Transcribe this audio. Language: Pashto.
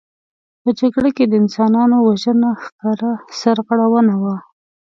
په جګړو کې د انسانانو وژنه ښکاره سرغړونه وه.